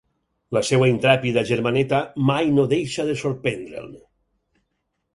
La seva intrèpida germaneta mai no deixa de sorprendre'l.